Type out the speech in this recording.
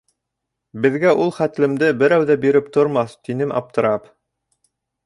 Беҙгә ул хәтлемде берәү ҙә биреп тормаҫ. — тинем аптырап.